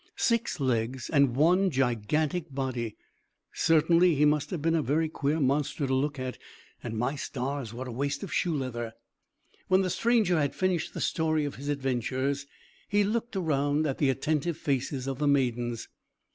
Six legs, and one gigantic body! Certainly, he must have been a very queer monster to look at; and, my stars, what a waste of shoe leather! When the stranger had finished the story of his adventures, he looked around at the attentive faces of the maidens.